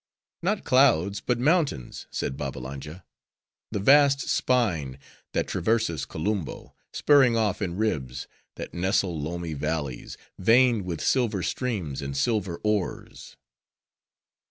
"Not clouds, but mountains," said Babbalanja, "the vast spine, that traverses Kolumbo; spurring off in ribs, that nestle loamy valleys, veined with silver streams, and silver ores."